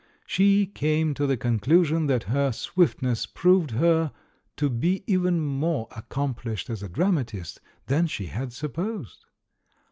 She came to the conclusion that her swiftness proved her to be even more ac complished as a dramatist than she had supposed.